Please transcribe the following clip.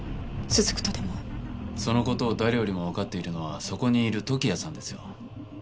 その事を誰よりもわかっているのはそこにいる時矢さんですよ。